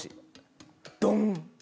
ドン！